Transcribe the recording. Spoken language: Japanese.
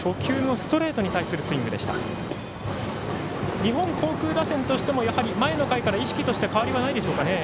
日本航空打線としても前の回から意識として変わりはないんでしょうかね？